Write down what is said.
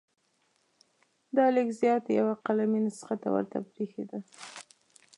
دا لیک زیات یوه قلمي نسخه ته ورته بریښېده.